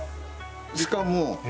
しかも。